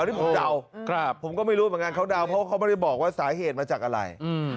อันนี้ผมเดาผมก็ไม่รู้เหมือนกันเขาเดาเพราะเขาไม่ได้บอกว่าสาเหตุมาจากอะไร